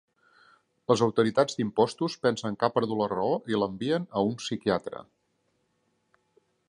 Les autoritats d'Impostos pensen que ha perdut la raó i l'envien a un psiquiatre.